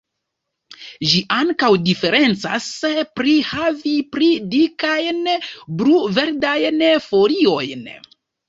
Ĝi ankaŭ diferencas pri havi pli dikajn, blu-verdajn foliojn.